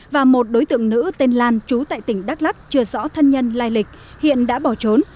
và một đối tượng nữ tên lan trú tại tỉnh đắk lắc triệt xóa thân nhân lai lịch hiện đã bỏ trốn